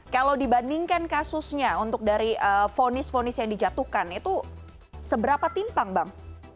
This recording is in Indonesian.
kalau dibandingkan kasusnya untuk dari vonis fonis yang dijatuhkan itu seberapa timpang bang